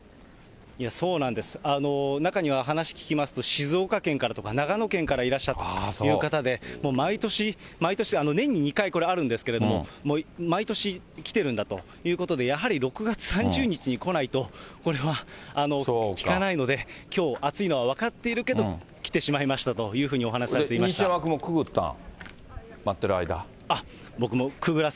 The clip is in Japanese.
中には、話聞きますと、静岡県からとか長野県からいらっしゃったという方で、毎年、年に２回、これ、あるんですけども、毎年来てるんだということで、やはり６月３０日に来ないと、これは効かないので、きょう、暑いのは分かっているけど、来てしまいましたというふうにお話さ西山さんもくぐったん？